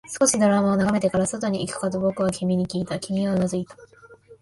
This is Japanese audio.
少しドラマを眺めてから、外に行くかと僕は君にきいた、君はうなずいた